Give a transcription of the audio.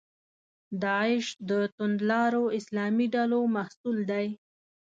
داعش د توندلارو اسلامي ډلو محصول دی.